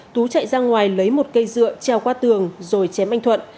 tú chạy ra ngoài lấy một cây dựa trèo qua tường rồi chém anh thuận